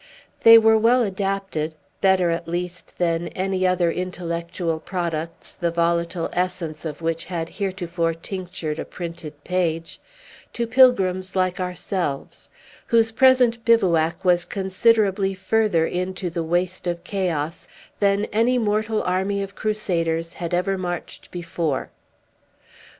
They were well adapted (better, at least, than any other intellectual products, the volatile essence of which had heretofore tinctured a printed page) to pilgrims like ourselves, whose present bivouac was considerably further into the waste of chaos than any mortal army of crusaders had ever marched before.